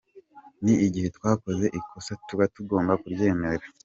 N’igihe twakoze ikosa tuba tugomba kuryemera.